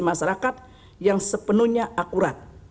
masyarakat yang sepenuhnya akurat